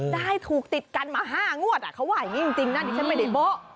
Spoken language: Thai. ได้ถูกติดกันมา๕งวดเขาว่าอย่างนี้จริงนะดิฉันไม่ได้โบ๊ะ